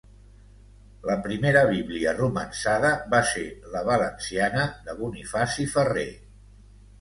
La primera bíblia romançada va ser la valenciana de Bonifaci Ferrer